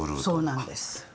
そうなんです。